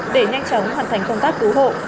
để nhanh chóng hoàn thành công tác cứu hộ